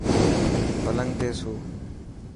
پلنگ تي سو.